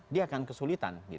dia akan kesulitan